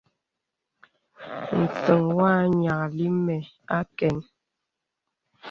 Nsəŋ wɔ nyìaklì mə àkən.